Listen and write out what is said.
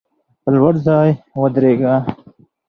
پر لوړ ځای ودریږه.